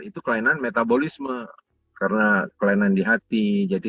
itu kelainan metabolisme karena kelainan di hati